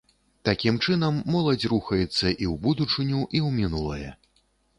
Такім чынам моладзь рухаецца і ў будучыню, і ў мінулае.